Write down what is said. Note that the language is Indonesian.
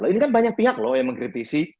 ini kan banyak pihak loh yang mengkritisi